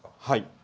はい。